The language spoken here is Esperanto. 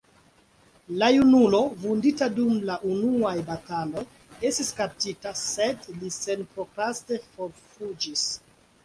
La junulo, vundita dum la unuaj bataloj, estis kaptita, sed li senprokraste forfuĝis.